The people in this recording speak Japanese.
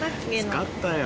使ったよ。